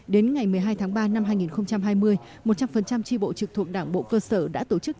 đến ngày một mươi hai tháng ba năm hai nghìn hai mươi một trăm linh tri bộ trực thuộc đảng bộ cơ sở đã tổ chức